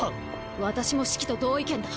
私もシキと同意見だ。